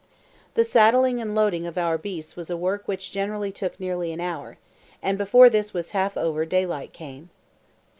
The saddling and loading of our beasts was a work which generally took nearly an hour, and before this was half over daylight came.